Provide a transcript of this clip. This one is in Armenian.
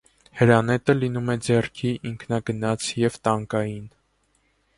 Հրանետը լինում է ձեռքի, ինքնագնաց և տանկային։